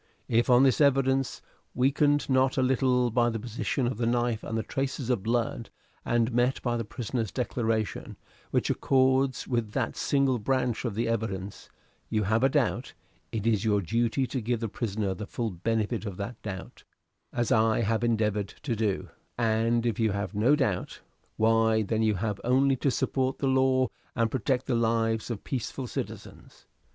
"If on this evidence, weakened not a little by the position of the knife and the traces of blood, and met by the prisoner's declaration, which accords with that single branch of the evidence, you have a doubt, it is your duty to give the prisoner the full benefit of that doubt, as I have endeavored to do; and if you have no doubt, why then you have only to support the law and protect the lives of peaceful citizens.